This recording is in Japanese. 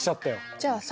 じゃあさ